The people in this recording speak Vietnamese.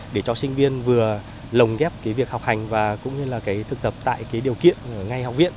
để cho sinh viên vừa lồng ghép việc học hành và thực tập tại điều kiện ngay học viện